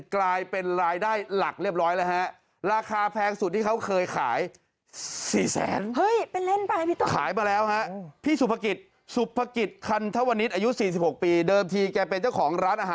กลายเป็นรายได้หลักเรียบร้อยแล้วฮะ